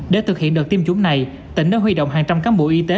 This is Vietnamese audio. để thực hiện đợt tiêm chủng này tỉnh đã huy động hàng trăm cán bộ y tế